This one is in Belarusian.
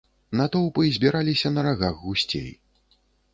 Натоўпы збіраліся на рагах гусцей.